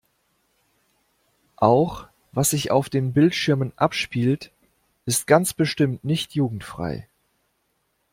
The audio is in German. Auch was sich auf den Bildschirmen abspielt, ist ganz bestimmt nicht jugendfrei.